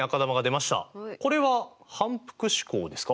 これは反復試行ですか？